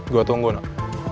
gua tunggu nak